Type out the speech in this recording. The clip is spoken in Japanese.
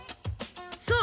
そう！